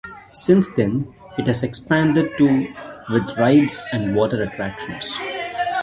Since then, it has expanded to with rides and water attractions.